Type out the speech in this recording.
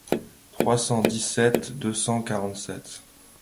trois cent dix-sept deux cent quarante-sept.